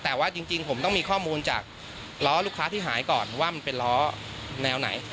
แต่ว่าจริงผมต้องมีข้อมูลจากล้อลูกค้าที่หายก่อนว่ามันเป็นล้อแนวไหน